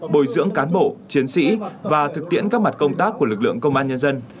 bồi dưỡng cán bộ chiến sĩ và thực tiễn các mặt công tác của lực lượng công an nhân dân